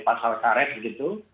pasal karet begitu